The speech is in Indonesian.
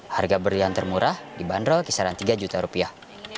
harga berlian termurah dibanderol kisaran tiga juta rupiah